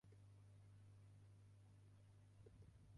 私はそれを恋だなんて思ってないけどね。